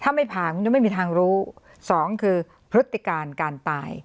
ถ้าไม่ผ่าคุณจะไม่มีทางรู้สองคือพฤติการการตาย